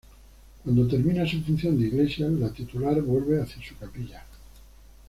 Cuando termina su función de iglesia, la titular vuelve hacia su capilla.